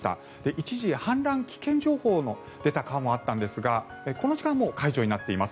一時、氾濫危険情報の出た川もあったんですがこの時間は解除になっています。